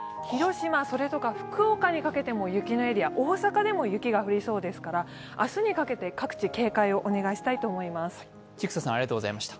広島、それとか福岡にかけても雪のエリア、大阪でも雪が降りそうですから明日にむけて各地警戒をお願いします。